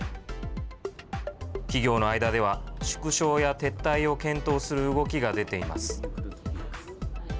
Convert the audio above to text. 企業の間では、縮小や撤退を検討する動きが出ています。